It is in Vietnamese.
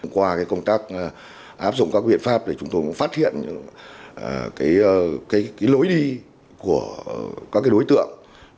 qua công tác áp dụng các biện pháp chúng tôi cũng phát hiện lối đi của các đối tượng